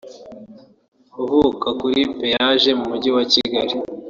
uvuka kuri Peage mu mujyi wa kigali